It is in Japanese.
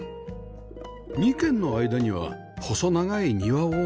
２軒の間には細長い庭を作りました